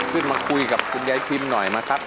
ขึ้นมาคุยกับคุณยายพิมหน่อยนะครับ